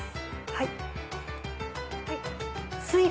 はい。